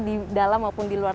di dalam maupun di luar